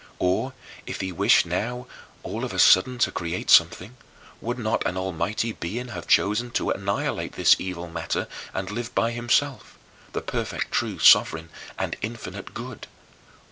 Or, if he wished now all of a sudden to create something, would not an almighty being have chosen to annihilate this evil matter and live by himself the perfect, true, sovereign, and infinite Good?